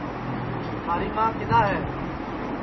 تھاری ماں کِدؔا ہے